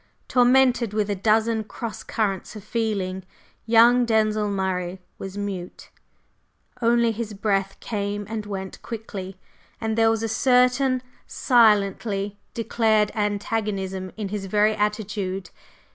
Tormented with a dozen cross currents of feeling, young Denzil Murray was mute; only his breath came and went quickly, and there was a certain silently declared antagonism in his very attitude.